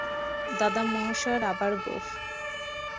দাদামহাশয়ের আবার গোঁফ!